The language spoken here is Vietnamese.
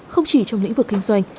không chỉ trong lĩnh vực kinh doanh